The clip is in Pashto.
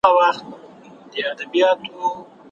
پرشتو ادم ته د احترام لپاره سجده وکړه.